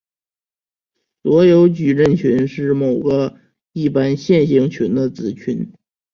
所有矩阵群是某个一般线性群的子群。